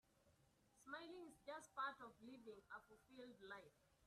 Smiling is just part of living a fulfilled life.